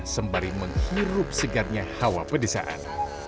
sembari menghirup segarnya hawa pedesaan